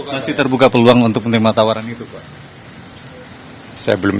masih terbuka peluang untuk menerima tawaran itu pak